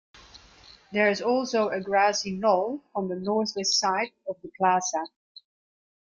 There is also a grassy knoll on the northwest side of the plaza.